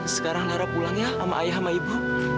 sekarang nara pulang ya sama ayah sama ibu